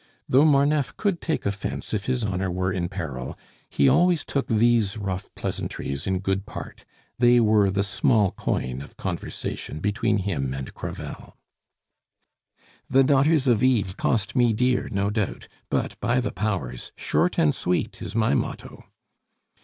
Though Marneffe could take offence if his honor were in peril, he always took these rough pleasantries in good part; they were the small coin of conversation between him and Crevel. "The daughters of Eve cost me dear, no doubt; but, by the powers! 'Short and sweet' is my motto."